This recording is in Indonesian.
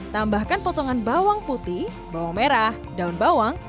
tambahkan potongan bawang putih bawang merah daun bawang